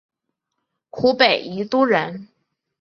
湖北宜都人。